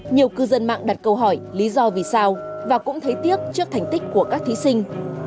nhiều cư dân mạng đặt câu hỏi lý do vì sao và cũng thấy tiếc trước thành tích của các thí sinh